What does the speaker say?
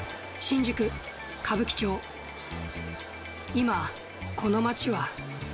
今、この街は。